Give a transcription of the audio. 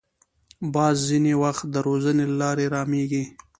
باز ځینې وخت د روزنې له لارې رامېږي